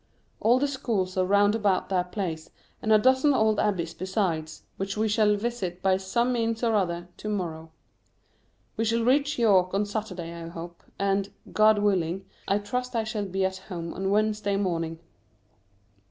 All the schools are round about that place, and a dozen old abbeys besides, which we shall visit by some means or other to morrow. We shall reach York on Saturday I hope, and (God willing) I trust I shall be at home on Wednesday morning.